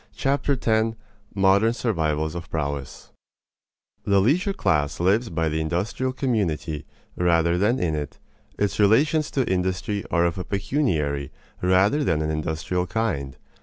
Chapter Ten ~~ Modern Survivals of Prowess The leisure class lives by the industrial community rather than in it. Its relations to industry are of a pecuniary rather than an industrial kind.